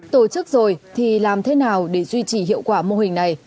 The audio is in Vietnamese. tổ chức rồi thì làm thế nào để duy trì hiệu quả mô hình này